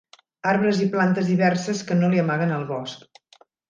Arbres i plantes diverses que no li amaguen el bosc.